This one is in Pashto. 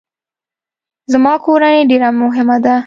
زما کورنۍ ډیره مهمه ده